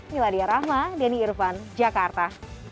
miladia rahma denny irvan jakarta